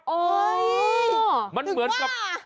โอ้โฮถึงว่า